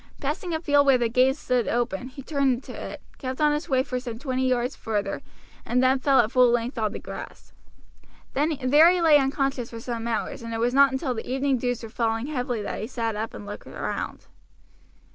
Passing a field where the gate stood open he turned into it, kept on his way for some twenty yards further, and then fell at full length on the grass. There he lay unconscious for some hours, and it was not until the evening dews were falling heavily that he sat up and looked round.